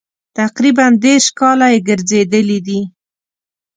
تقریبا دېرش کاله یې ګرځېدلي دي.